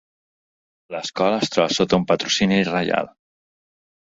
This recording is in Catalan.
L'escola es troba sota un patrocini reial.